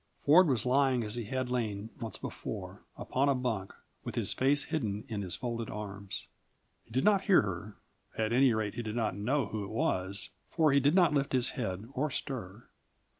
Ford was lying as he had lain once before, upon a bunk, with his face hidden in his folded arms. He did not hear her at any rate he did not know who it was, for he did not lift his head or stir.